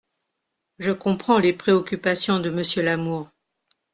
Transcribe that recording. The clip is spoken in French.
Je comprends les préoccupations de Monsieur Lamour.